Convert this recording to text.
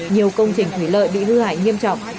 nhiều công trình thủy lợi bị hư hại nghiêm trọng